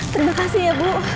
terima kasih ya bu